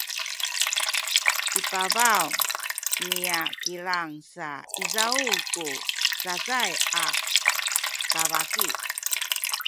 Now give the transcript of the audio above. i pabaw niya kilang sa izaw ku cacay a kabaki